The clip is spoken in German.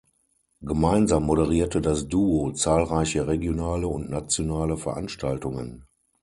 Gemeinsam moderierte das Duo zahlreiche regionale und nationale Veranstaltungen.